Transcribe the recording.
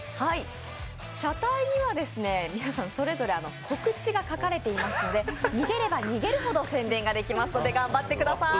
車体には、皆さん、それぞれ告知が書かれていますので逃げれば逃げるほど宣伝ができますので頑張ってください。